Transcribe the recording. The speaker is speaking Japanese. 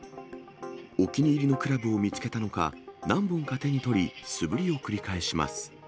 お気に入りのクラブを見つけたのか、何本か手に取り、素振りを繰り返します。